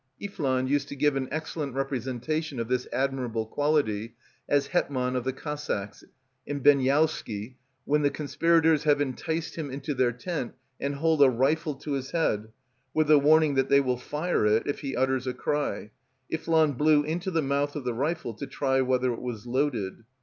Iffland used to give an excellent representation of this admirable quality, as Hetmann of the Cossacks, in Benjowski, when the conspirators have enticed him into their tent and hold a rifle to his head, with the warning that they will fire it if he utters a cry, Iffland blew into the mouth of the rifle to try whether it was loaded.